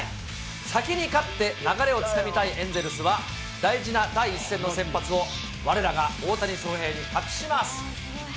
先に勝って流れをつかみたいエンゼルスは、大事な第１戦の先発を、われらが大谷翔平に託します。